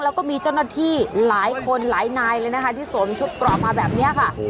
แล้วก็มีเจ้าหน้าที่หลายคนหลายนายเลยนะคะที่สวมชุดกรอบมาแบบนี้ค่ะ